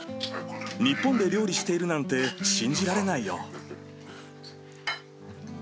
日本で料理しているなんて信じられないよ。